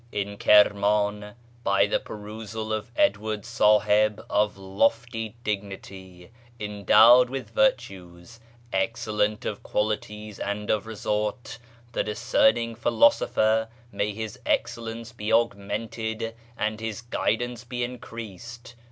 In KirmAn by the perusal of Edward Sahib of lofty dignity, endowed witli virtues, excellent of qualities and of resort, the discerning philosopher (may his excellence be augmented and his guidance be increased